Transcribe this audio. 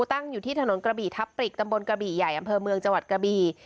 ตั้งอยู่ที่ถนนกระบี่ทับปริกตำบลกระบี่ใหญ่อำเภอเมืองจังหวัดกระบี